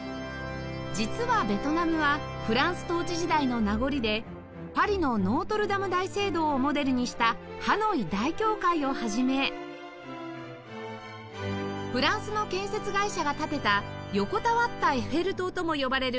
実はベトナムはフランス統治時代の名残でパリのノートルダム大聖堂をモデルにしたハノイ大教会を始めフランスの建設会社が建てた